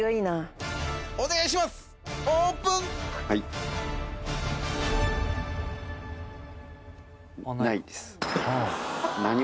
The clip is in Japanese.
何もないです。